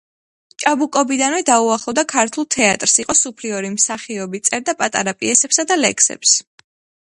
ჭაბუკობიდანვე დაუახლოვდა ქართულ თეატრს, იყო სუფლიორი, მსახიობი, წერდა პატარა პიესებსა და ლექსებს.